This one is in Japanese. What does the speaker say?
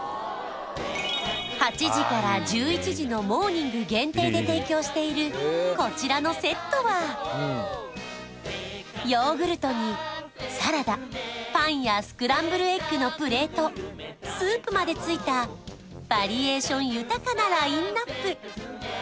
８時から１１時のモーニング限定で提供しているこちらのセットはヨーグルトにサラダパンやスクランブルエッグのプレートスープまでついたバリエーション豊かなラインナップ